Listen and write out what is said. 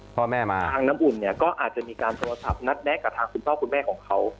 พ่อแม่มาทางน้ำอุ่นเนี่ยก็อาจจะมีการโทรศัพท์นัดแนะกับทางคุณพ่อคุณแม่ของเขา